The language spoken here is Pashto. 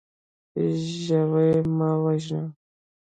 ژوی مه وژنه.